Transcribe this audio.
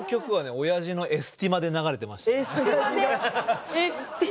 おやじがエスティマで流してた。